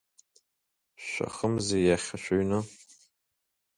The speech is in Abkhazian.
Шәахымзеи иахьа шәыҩны.